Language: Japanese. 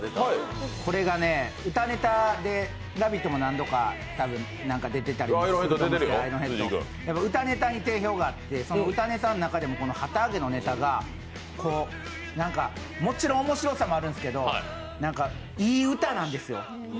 これが歌ネタで、「ラヴィット！」も何度か出ていたりするんですけど、歌ネタに定評があって、その中でも「旗揚げ」のネタが、もちろん面白さもあるんですけどいい歌なんですよ。